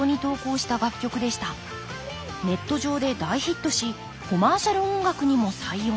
ネット上で大ヒットしコマーシャル音楽にも採用。